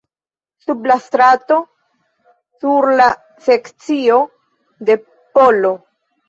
Sub la strato, sur la sekcio de pl.